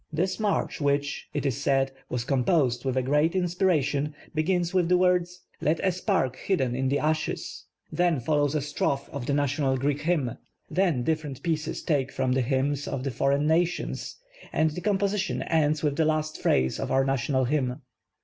This march which, it is said, was composed with a great inspiration, begins with the words "Like a spark hidden in the ashes," then follows a stroplfe of the national Greek hymn, then (lifl'erent pieces taken from the hymns of the foreign nations and the composition ends with the last phrase of our national hymn.